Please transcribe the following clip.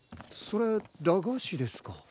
それ駄菓子ですか？